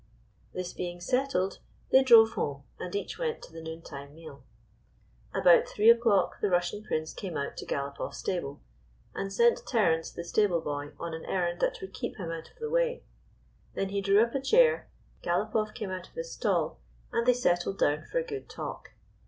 This being settled, they drove home, and each went to the noontime meal. About three o'clock the Russian Prince came out to Galopoff's stable, and sent Terence, the stable boy, on an errand that would keep him out of the way. Then he drew up a chair, Galopoff came ©ut of his stall, and they settled down for a good talk.